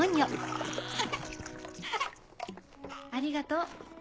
ありがとう。